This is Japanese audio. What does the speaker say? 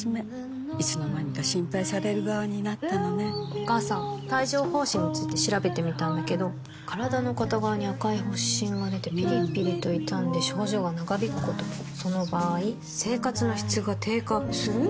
お母さん帯状疱疹について調べてみたんだけど身体の片側に赤い発疹がでてピリピリと痛んで症状が長引くこともその場合生活の質が低下する？